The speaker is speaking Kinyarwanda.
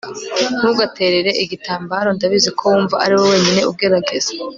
ntugaterere igitambaro, ndabizi ko wumva ariwowe wenyine ugerageza